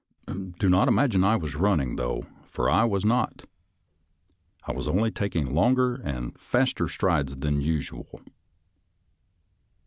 Do not imagine I was running, though, for I was not — I was only taking longer and faster strides than usual.